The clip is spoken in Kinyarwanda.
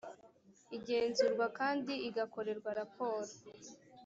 igenzurwa kandi igakorerwa raporo